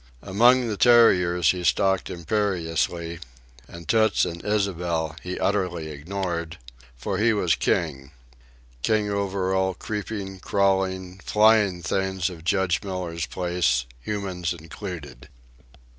Among the terriers he stalked imperiously, and Toots and Ysabel he utterly ignored, for he was king,—king over all creeping, crawling, flying things of Judge Miller's place, humans included.